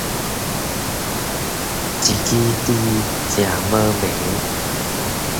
一枝箸，食無糜